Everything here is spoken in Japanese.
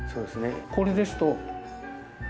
これですと。